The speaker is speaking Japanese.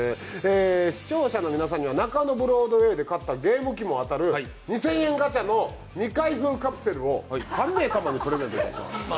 視聴者の皆さんには中野ブロードウェイで買ったゲーム機も当たる２０００円ガチャの２回分カプセルを３名様にプレゼントします。